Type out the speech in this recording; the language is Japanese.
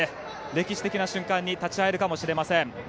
歴史的な瞬間に立ち会えるかもしれません。